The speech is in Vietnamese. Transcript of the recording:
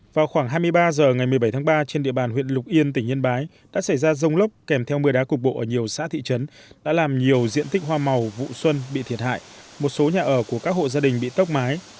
vào khoảng hai mươi ba h ngày một mươi bảy tháng ba trên địa bàn huyện lục yên tỉnh yên bái đã xảy ra rông lốc kèm theo mưa đá cục bộ ở nhiều xã thị trấn đã làm nhiều diện tích hoa màu vụ xuân bị thiệt hại một số nhà ở của các hộ gia đình bị tốc mái